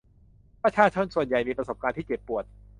ประชาชนส่วนใหญ่มีประสบการณ์ที่เจ็บปวด